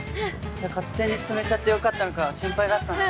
いや勝手に進めちゃってよかったのか心配だったんだ。